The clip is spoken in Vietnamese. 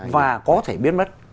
và có thể biết mất